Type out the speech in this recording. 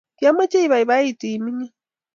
kiomeche ibaibaitu kiminik